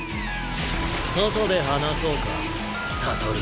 外で話そうか悟。